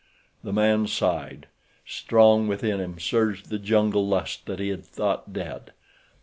The man sighed. Strong within him surged the jungle lust that he had thought dead.